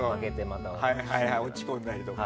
落ち込んだりとか。